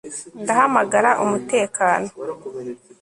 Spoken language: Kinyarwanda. Ndahamagara umutekano